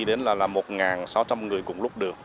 đến là một sáu trăm linh người cùng lúc được